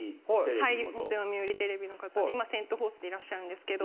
はい元読売テレビの方で今セント・フォースにいらっしゃるんですけど。